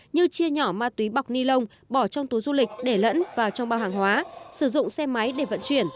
như chia nhỏ ma túy bọc ni lông bỏ trong túi du lịch để lẫn vào trong bao hàng hóa sử dụng xe máy để vận chuyển